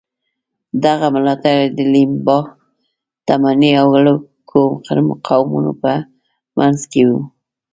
دغه ملاتړي د لیمبا، تمني او لوکو قومونو په منځ کې وو.